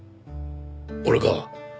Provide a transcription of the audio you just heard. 俺か？